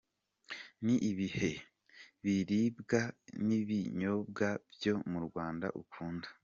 Ni ibihe biribwa n’ibinyobwa byo mu Rwanda ukunda?.